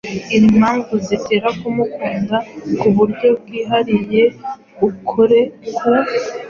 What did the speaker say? impamvu zigutera kumukunda ku buryo bwihariye. Ukore ku